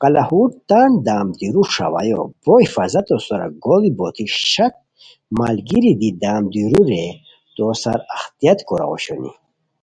قلاہور تان دم دیرو ݰاوایو بو حٖفاظتو سورا گوڑی بوتی شک ملگیری دی دم دیرو رے تو سار احتیاط کوراؤ اوشونی